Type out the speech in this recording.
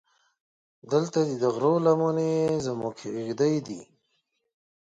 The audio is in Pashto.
دلته دې د غرو لمنې زموږ کېږدۍ دي.